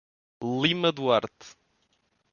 Lima Duarte